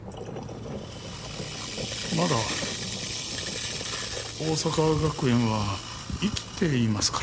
まだ桜咲学園は生きていますから。